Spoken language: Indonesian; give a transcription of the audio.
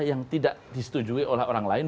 yang tidak disetujui oleh orang lain